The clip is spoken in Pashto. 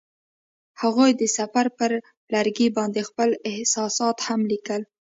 هغوی د سفر پر لرګي باندې خپل احساسات هم لیکل.